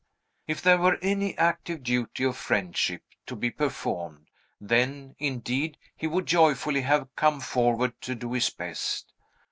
If there were any active duty of friendship to be performed, then, indeed, he would joyfully have come forward to do his best.